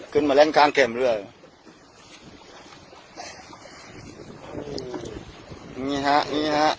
ขึ้นมาเล่นข้างเข็มเรื่อย